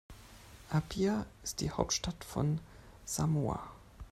Apia ist die Hauptstadt von Samoa.